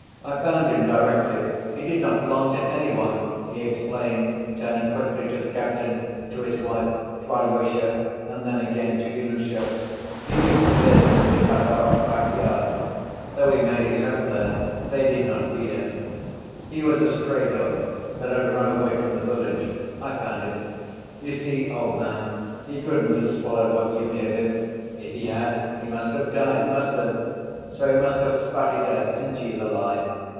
I found him directly. He did not belong to any one!" he explained, turning quickly to the captain, to his wife, to Alyosha and then again to Ilusha. "He used to live in the Fedotovs' back‐yard. Though he made his home there, they did not feed him. He was a stray dog that had run away from the village ... I found him.... You see, old man, he couldn't have swallowed what you gave him. If he had, he must have died, he must have! So he must have spat it out, since he is alive.